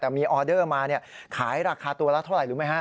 แต่มีออเดอร์มาขายราคาตัวละเท่าไหร่รู้ไหมฮะ